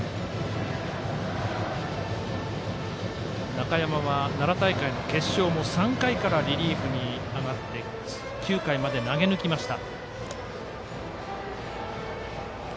中山は奈良大会の決勝も３回からリリーフに上がって９回まで投げ抜きました。